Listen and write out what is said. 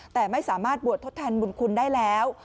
แต่ไม่สามารถบวชทดแทนบุญคุณได้แล้ว